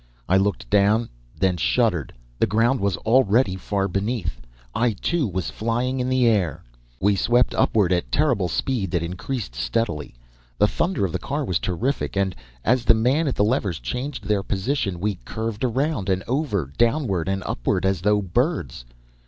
I looked down, then shuddered. The ground was already far beneath! I too, was flying in the air! "We swept upward at terrible speed that increased steadily. The thunder of the car was terrific, and, as the man at the levers changed their position, we curved around and over downward and upward as though birds.